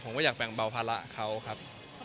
ผมก็อยากแบ่งเบาภาระเขาครับ